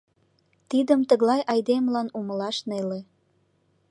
Тидым тыглай айдемылан умылаш неле.